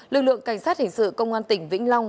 lực lượng cảnh sát hình sự công an tỉnh vĩnh long